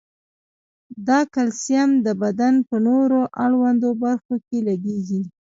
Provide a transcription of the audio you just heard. دا کلسیم د بدن په نورو اړوندو برخو کې لګیږي.